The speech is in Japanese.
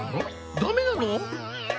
ダメなの？